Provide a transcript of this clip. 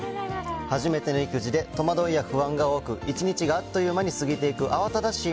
初めての育児で戸惑いや不安が多く、一日があっという間に過ぎていく慌ただしい